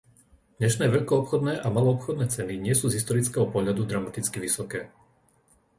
Dnešné veľkoobchodné a maloobchodné ceny nie sú z historického pohľadu dramaticky vysoké.